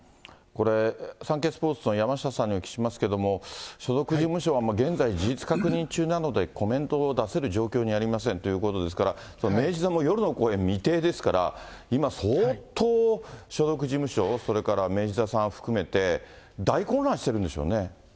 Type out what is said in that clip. サンケイスポーツの山下さんにお聞きしますけれども、所属事務所は、現在、事実確認中なので、コメントを出せる状況にありませんということですから、明治座も夜の公演未定ですから、今、相当、所属事務所、それから明治座さん含めて、大混乱してるんでしょうね。